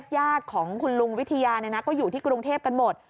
ญาติของคุณลุงวิทยาก็อยู่ที่กรุงเทพกันหมด